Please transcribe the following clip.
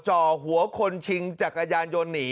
จ่อหัวคนชิงจักรยานยนต์หนี